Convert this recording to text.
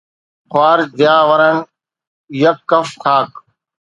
خوارج ديا ورڻ: يڪ ڪف- خاڪ